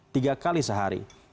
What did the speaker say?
tiga kali sehari